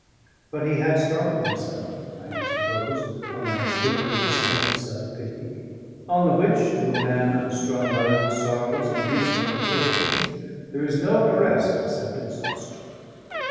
But he had started himself (I am to suppose) on that slippery descent of self pity; on the which, to a man unstrung by old sorrows and recent potations, there is no arrest except exhaustion.